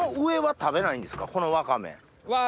このワカメ。